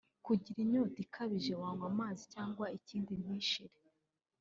kugira inyota ikabije wanaywa amazi cyangwa ikindi ntishire